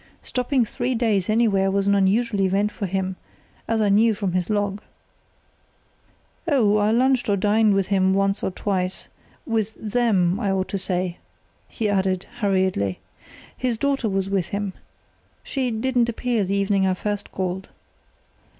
Stopping three days anywhere was an unusual event for him, as I knew from his log. "Oh, I lunched or dined with him once or twice—with them, I ought to say," he added, hurriedly. "His daughter was with him. She didn't appear the evening I first called."